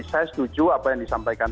saya setuju apa yang disampaikan